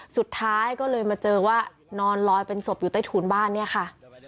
สุดท้ายก็เลยมาเจอว่านอนลอยเป็นศพอยู่ใต้ถูนบ้านเนี่ยค่ะ